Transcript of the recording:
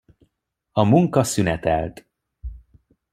A munka szünetelt.